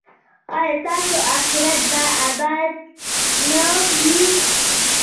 ایا ستاسو اخرت به اباد نه وي؟